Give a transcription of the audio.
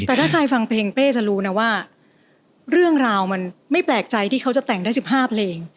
แต่ถ้าใครฟังเพลงเป้จะรู้นะว่าเรื่องราวมันไม่แปลกใจที่เขาจะแต่งได้๑๕เพลง